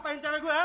eh kurun ya